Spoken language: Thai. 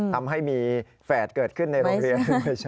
ทำให้มีแฝดเกิดขึ้นในโรงเรียน